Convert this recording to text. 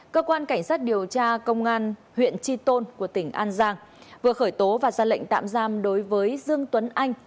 cơ quan cảnh sát điều tra công an huyện tri tôn của tỉnh an giang vừa khởi tố và ra lệnh tạm giam đối với dương tuấn anh